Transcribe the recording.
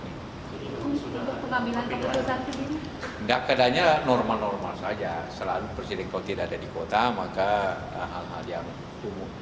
tidak keadaannya normal normal saja selalu presiden kalau tidak ada di kota maka hal hal yang umum